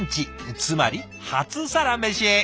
つまり初サラメシ。